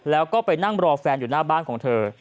แล้วก็ไปนั่งรอแฟนอยู่หน้าบ้านของเธอ